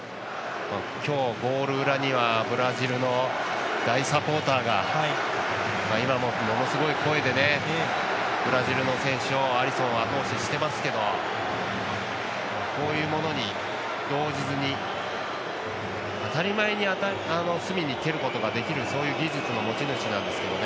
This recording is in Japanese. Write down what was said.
今日、ゴール裏にはブラジルの大サポーターが今も、ものすごい声でブラジルの選手をアリソンを後押ししていますからこういうものに動じずに当たり前に隅に蹴ることができるそういう技術の持ち主なんですよね。